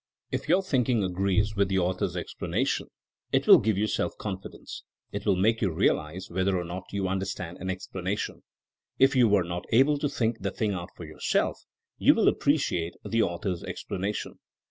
If your thinking agrees with the au thor's explanation it will give you self confi dence. It will make you realize whether or not you understand an explanation. If you were not able to think the thing out for yourself you will appreciate the author's explanation.